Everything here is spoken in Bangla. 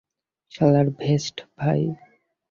শালার ভেস্ট, ভাই।